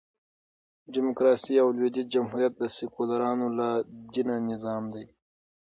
ډيموکراسي او لوېدیځ جمهوریت د سیکولرانو لا دینه نظام دئ.